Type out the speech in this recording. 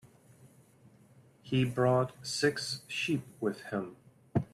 He brought six sheep with him.